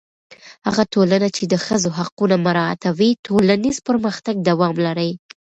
هغه ټولنه چې د ښځو حقونه مراعتوي، ټولنیز پرمختګ دوام لري.